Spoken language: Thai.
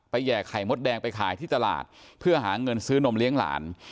แห่ไข่มดแดงไปขายที่ตลาดเพื่อหาเงินซื้อนมเลี้ยงหลาน